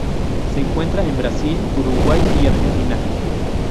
Se encuentra en Brasil, Uruguay y Argentina.